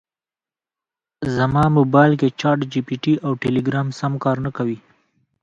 زما مبایل کې چټ جي پي ټي او ټیلیګرام سم کار نکوي